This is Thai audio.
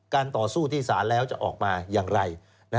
ต่อสู้ที่ศาลแล้วจะออกมาอย่างไร